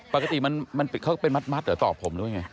ปกติเขาเป็นมัดเดี๋ยวต่อผมด้วยไง